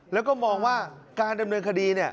แล้วก็มองว่าการดำเนินคดี